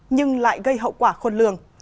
nhưng lại gây hậu quả khôn lường